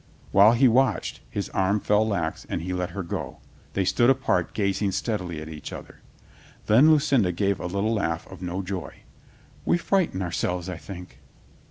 While he watched, his arm fell lax and he let her go. They stood apart gazing steadily at each other. Then Lucinda gave a little laugh of no joy. "We frighten ourselves, I think."